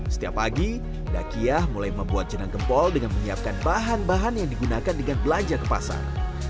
setiap pagi dakiyah mulai membuat jenang gempol dengan menyiapkan bahan bahan yang digunakan dengan belanja ke pasar